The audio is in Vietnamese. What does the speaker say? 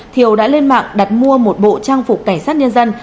thiều đã lên mạng đặt mua một bộ trang phục cảnh sát nhân dân